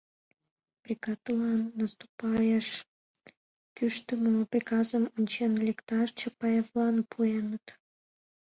Бригадылан наступаяш кӱштымӧ приказым ончен лекташ Чапаевлан пуэныт.